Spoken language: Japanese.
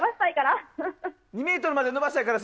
２ｍまで伸ばしたいから！